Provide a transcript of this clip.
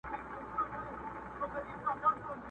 o د خلگو زور د خداى زور دئ٫